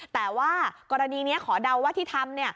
แต่ว่ากรณีนี้ขอเดาว่าที่ทำ